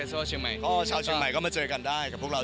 เชียงใหม่อ๋อชาวเชียงใหม่ก็มาเจอกันได้กับพวกเรา